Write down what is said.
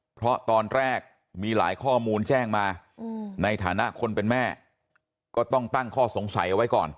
เพราะตอนแรกมีหลายข้อมูลแจ้งมาในฐานะคนเป็นแม่ก็ต้องตั้งข้อสงสัยเอาไว้ก่อน